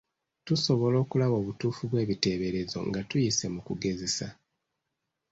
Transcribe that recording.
Tusobola okulaba obutuufu bw’ebiteeberezo nga tuyise mu kugezesa.